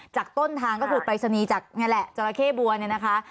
จากต้นทางก็คือไปจากนี่แหละจราเข้บัวเนี่ยนะคะ